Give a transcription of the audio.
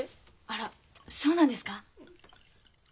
あらそうなんですか？